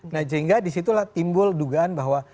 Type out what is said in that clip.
nah sehingga disitulah timbul dugaan bahwa